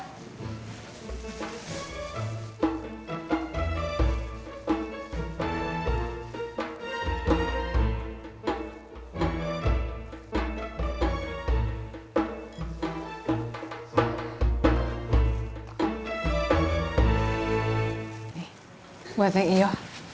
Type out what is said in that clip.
nih buat neng iwo